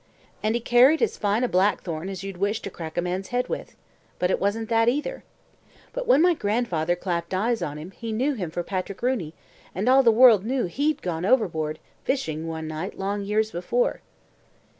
And he carried as fine a blackthorn as you'd wish to crack a man's head with. But it wasn't that either. But when my grandfather clapped eyes on him, he knew him for Patrick Rooney, and all the world knew he'd gone overboard, fishing one night long years before.